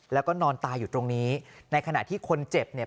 แล้วก็นอนตายอยู่ตรงนี้ในขณะที่คนเจ็บเนี่ย